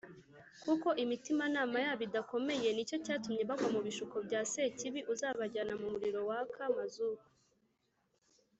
kuko imitimanama yabo idakomeye nicyo cyatumye bagwa mu bishuko bya sekibi uzabajyana mu muriro waka mazuko